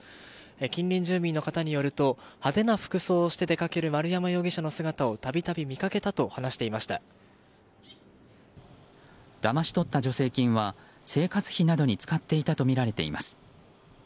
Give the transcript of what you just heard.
近隣住民の方によると派手な服装をして出かける丸山容疑者の姿をだまし取った助成金は生活費などに使っていたとみられています。